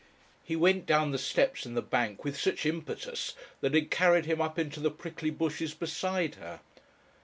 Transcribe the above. He went down the steps in the bank with such impetus that it carried him up into the prickly bushes beside her.